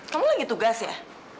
kamu lagi tugas ya